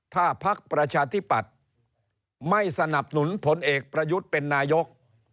ถ้าพักประชาธิปัตย์ไม่สนับสนุนผลเอกประยุทธ์เป็นนายก